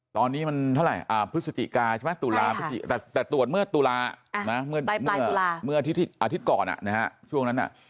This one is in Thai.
ตอนนี้มันเท่าไหร่พฤศจิกาใช่ไหมตุลาแต่ตรวจเมื่อตุลาเมื่ออาทิตย์ก่อนช่วงนั้น